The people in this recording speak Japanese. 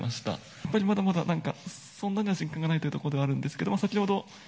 やっぱりまだまだなんか、そんなには実感がないというところではあるんですけど、先ほど、